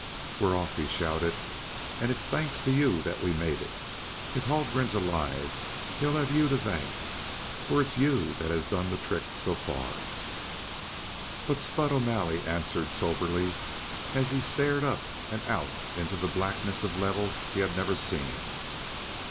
"We're off!" he shouted. "And it's thanks to you that we made it. If Haldgren's alive he'll have you to thank; for it's you that has done the trick so far!" But Spud O'Malley answered soberly as he stared up and out into the blackness of levels he had never seen.